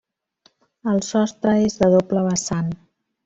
El sostre és de doble vessant.